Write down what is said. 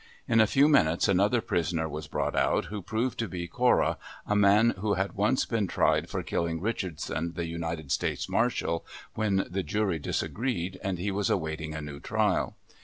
In a few minutes another prisoner was brought out, who, proved to be Cora, a man who had once been tried for killing Richardson, the United States Marshal, when the jury disagreed, and he was awaiting a new trial.